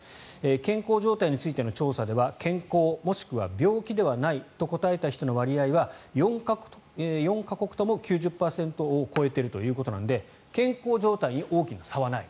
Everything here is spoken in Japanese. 健康状態についての調査では健康、もしくは病気ではないと答えた人の割合は４か国とも９０％を超えているということなので健康状態に大きな差はない。